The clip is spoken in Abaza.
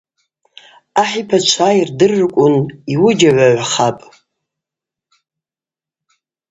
Ахӏ йпачва йырдырырквын йуыджьагӏвагӏвхапӏ.